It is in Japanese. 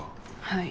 はい。